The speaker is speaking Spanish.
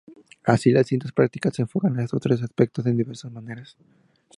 Así, las distintas prácticas se enfocan a estos tres aspectos en diversas maneras.